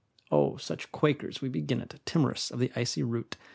Oh, such quakers we begin it, Timorous of the icy route!